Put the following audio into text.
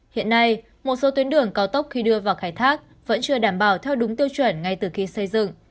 hiện nay một số tuyến đường cao tốc khi đưa vào khai thác vẫn chưa đảm bảo theo đúng tiêu chuẩn ngay từ khi xây dựng